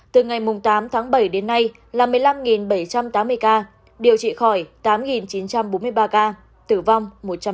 từ ngày tám tháng bảy đến nay là một mươi năm bảy trăm tám mươi ca điều trị khỏi tám chín trăm bốn mươi ba ca tử vong một trăm ba mươi tám